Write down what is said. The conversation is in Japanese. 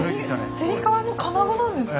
つり革も金具なんですか？